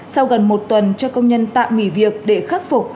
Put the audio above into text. sau gần một tuần cho công nhân tạm nghỉ việc để khắc phục